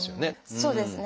そうですね。